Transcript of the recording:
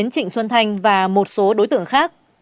trịnh xuân thanh và một số đối tượng khác